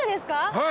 はい。